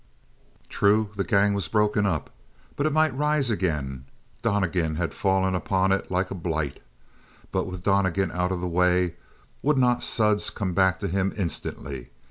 True, the gang was broken up. But it might rise again. Donnegan had fallen upon it like a blight. But with Donnegan out of the way would not Suds come back to him instantly?